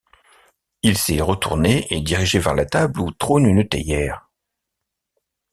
Il s'est retourné et dirigé vers la table où trône une théière.